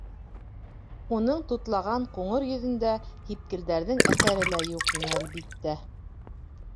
Уның тутлаған ҡуңыр йөҙөндә һипкелдәрҙең әҫәре лә юҡ ине, әлбиттә.